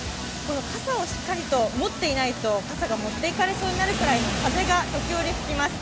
傘をしっかりと持っていないと傘が持って行かれそうになるぐらいの風が時折吹きます。